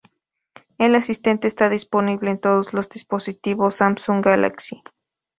El asistente está disponible en todos los dispositivos Samsung Galaxy.